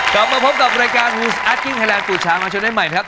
ขอบบว่าคุณค่ะครับขอบบว่าคุณนักด้วยนะครับ